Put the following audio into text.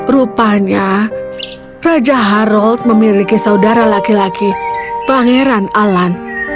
rupanya raja harald memiliki saudara laki laki pangeran alan